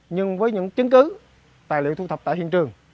nhưng với những chứng cứ tài liệu thu thập tại hiện trường